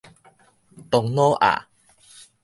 唐老鴨